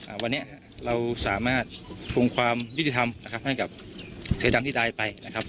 วันนี้ฮะเราสามารถทวงความยุติธรรมนะครับให้กับเสือดำที่ได้ไปนะครับ